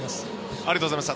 ありがとうございます。